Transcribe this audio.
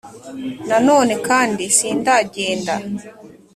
na none, kandi sindagenda.